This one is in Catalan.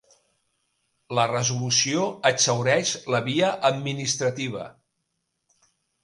La resolució exhaureix la via administrativa.